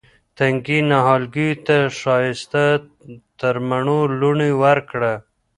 تنکي نهالګیو ته ښایسته ترمڼو لوڼې ورکړه